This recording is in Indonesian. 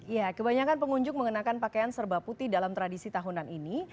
ya kebanyakan pengunjung mengenakan pakaian serba putih dalam tradisi tahunan ini